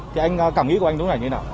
thì anh cảm nghĩ của anh đúng là như thế nào